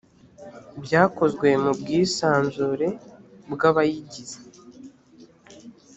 byakozwe mu bwisanzure bwabayigize